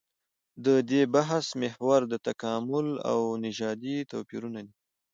د دې بحث محور د تکامل او نژادي توپيرونه دي.